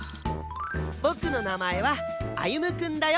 ぼくのなまえは歩くんだよ！